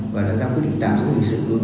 và đã ra quyết định tạm dụng hình sự đối với lý